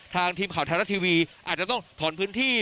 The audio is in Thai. ทางทีมข่าวแทนละทีวีอาจจะต้องถอนพื้นที่